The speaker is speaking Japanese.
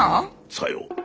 さよう。